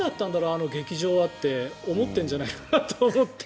あの激情はって思ってるんじゃないかなって思って。